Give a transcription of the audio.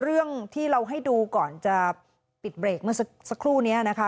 เรื่องที่เราให้ดูก่อนจะปิดเบรกเมื่อสักครู่นี้นะคะ